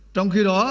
trong khi đó